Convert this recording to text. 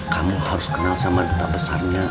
kamu harus kenal sama duta besarnya